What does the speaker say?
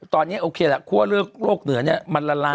ตอนนี้โอเคละควบคุมโรคเหนือมันละลาย